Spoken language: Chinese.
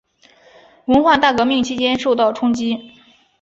文化大革命期间受到冲击。